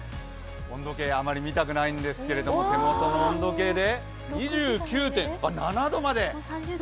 温度計、あまり見たくないんですけれども手元の温度計で２９．７度まで。